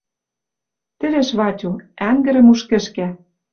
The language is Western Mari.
Тевеш Ватю. Ӓнгӹрӹм уж кӹшкӓ